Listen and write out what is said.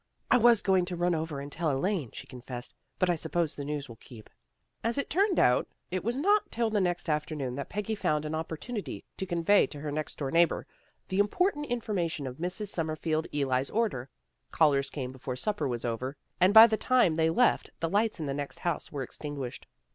" I was going to run over and tell Elaine," she confessed. " But I suppose the news will keep." As it turned out, it was not till the next after noon that Peggy found an opportunity to con vey to her next door neighbor the important information of Mrs. Summerfield Ely's order. Callers came before supper was over, and by the tune they left the lights in the next house were extinguished.